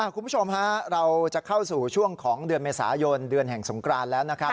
คุณผู้ชมฮะเราจะเข้าสู่ช่วงของเดือนเมษายนเดือนแห่งสงกรานแล้วนะครับ